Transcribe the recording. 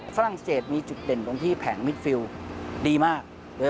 ฝรั่งเศสมีจุดเด่นตรงที่แผงมิดฟิลดีมาก